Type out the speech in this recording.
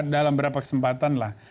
dalam beberapa kesempatan lah